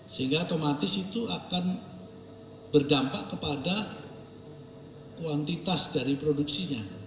sehingga otomatis itu akan berdampak kepada kuantitas dari produksinya